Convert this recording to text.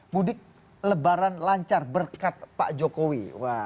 mudik lebaran lancar berkat pak jokowi